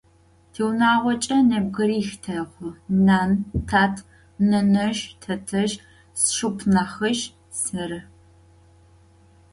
Tiunağoç'e nebgırix texhu: nan, tat, nenezj, tetezj, sşşıpxhunahızj, serı.